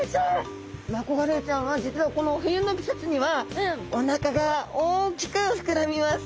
マコガレイちゃんは実はこの冬の季節にはおなかが大きく膨らみます。